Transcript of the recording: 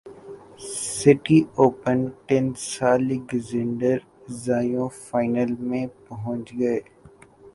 city Open tennis Alexander Zverev final میں پہنچ گئے